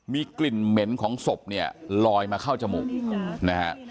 มีกลิ่นเหม็นของศพเนี่ยลอยมาเข้าจมูกนะฮะ